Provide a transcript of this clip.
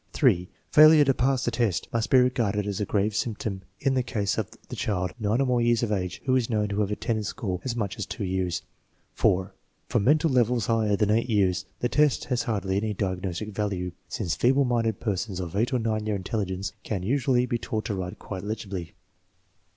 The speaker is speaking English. (3) Failure to pass the test must be regarded as a grave symptom in the case of the child 9 or more years of age who is known to have attended school as much as two years. (4) For mental levels higher than 8 years the test has hardly any diagnostic value, since feeble minded persons of 8 or 9 year intelligence can usually be taught to write quite legibly.